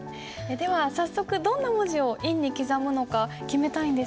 では早速どんな文字を印に刻むのか決めたいんですが。